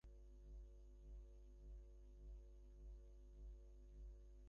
ধ্রুব ছুটিয়া আসিয়া রাজাকে জড়াইয়া ধরিয়া তাড়াতাড়ি তাঁহার দুই হাঁটুর মধ্যে মুখ লুকাইয়া।